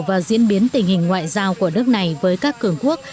và diễn biến tình hình ngoại giao của nước này với các cường quốc